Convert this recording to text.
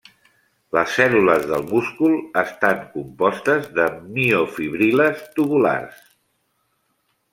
Les cèl·lules del múscul estan compostes de miofibril·les tubulars.